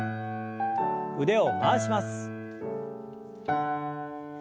腕を回します。